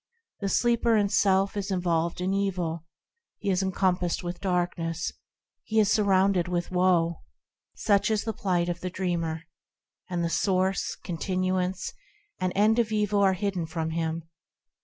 The sleeper in self is involved in evil ; He is encompassed with darkness; He is surrounded with woe ; Such is the plight of the dreamer, And the source, continuance, and end of evil are hidden from him.